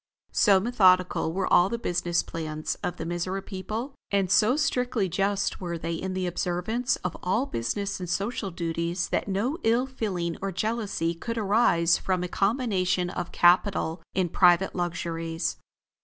So methodical were all the business plans of the Mizora people, and so strictly just were they in the observance of all business and social duties that no ill feeling or jealousy could arise from a combination of capital in private luxuries.